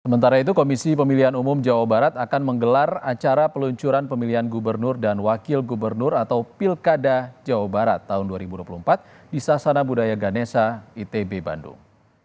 sementara itu komisi pemilihan umum jawa barat akan menggelar acara peluncuran pemilihan gubernur dan wakil gubernur atau pilkada jawa barat tahun dua ribu dua puluh empat di sasana budaya ganesa itb bandung